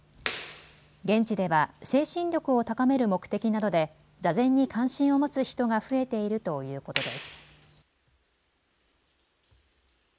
現地では精神力を高める目的などで座禅に関心を持つ人が増えているということです。